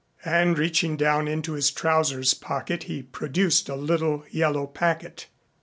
And reaching down into his trousers pocket he produced a little yellow packet.